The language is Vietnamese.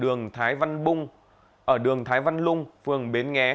ở đường thái văn lung phường bến nghé